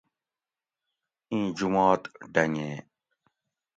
اِیں جُمات ڈۤھنگیں